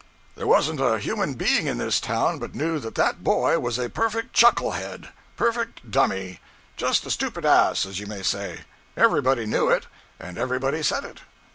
There wasn't a human being in this town but knew that that boy was a perfect chucklehead; perfect dummy; just a stupid ass, as you may say. Everybody knew it, and everybody said it.